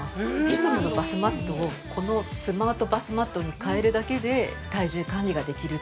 いつものバスマットをこのスマートバスマットに変えるだけで、体重管理ができる。